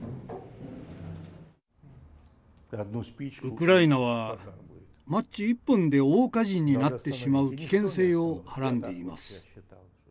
ウクライナはマッチ１本で大火事になってしまう危険性をはらんでいます。